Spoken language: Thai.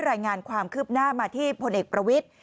รายงานความคืบหน้ามาที่พลเอกประวิทธิ